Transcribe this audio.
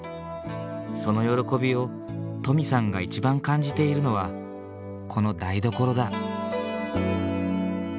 その喜びを登美さんが一番感じているのはこの台所だ。